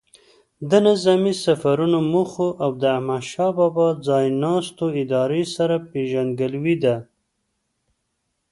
د نظامي سفرونو موخو او د احمدشاه بابا ځای ناستو ادارې سره پیژندګلوي ده.